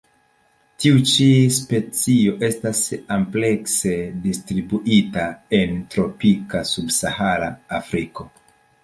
Tiu ĉi specio estas amplekse distribuita en tropika subsahara Afriko.